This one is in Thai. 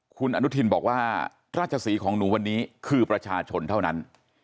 คุณอนุทินบอกว่าราชศรีของหนูวันนี้คือประชาชนเท่านั้น